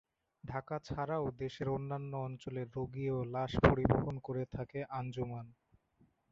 ঢাকা ছাড়াও দেশের অন্যান্য অঞ্চলে রোগী ও লাশ পরিবহন করে থাকে আঞ্জুমান।